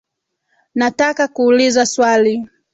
Nataka kuuliza swali.